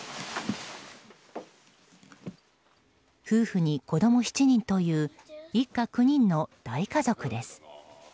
夫婦に子供７人という一家９人の大家族です。